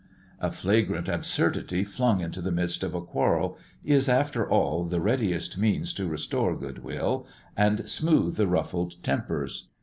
A flagrant absurdity flung into the midst of a quarrel is, after all, the readiest means to restore good will and smooth the ruffled tempers.